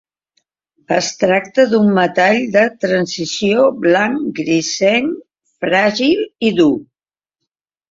Es tracta d'un metall de transició blanc grisenc, fràgil i dur.